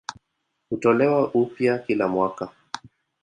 Hutolewa upya kila mwaka.